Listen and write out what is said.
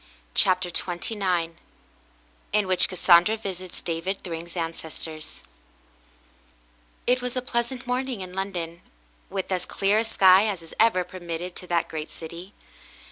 CHAPTER XXIX IN WHICH CASSANDRA VISITS DAVID THRYNG*S ANCESTORS It was a pleasant morning in London, with as clear a sky as is ever permitted to that great city.